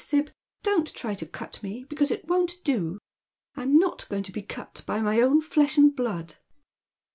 Sib, don't you try to cut me, because it won't do. I'm not going to be cut by my own flesh and blood.